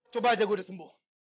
coba aja gue udah sembuh